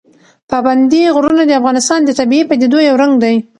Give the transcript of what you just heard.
پابندي غرونه د افغانستان د طبیعي پدیدو یو رنګ دی.